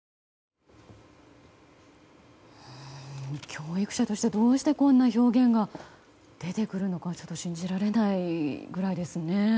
教育者としてどうしてこんな表現が出てくるのか信じられないぐらいですね。